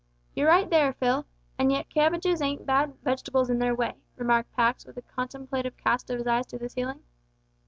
"You're right there, Phil an' yet cabbages ain't bad vegetables in their way," remarked Pax, with a contemplative cast of his eyes to the ceiling.